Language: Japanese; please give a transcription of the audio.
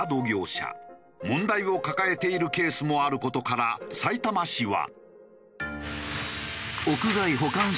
問題を抱えているケースもある事からさいたま市は。